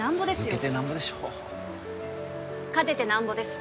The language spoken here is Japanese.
続けてなんぼでしょ勝ててなんぼです